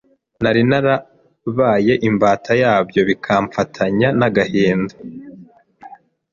nari narabaye imbata yabyo bikamfatanya n’agahinda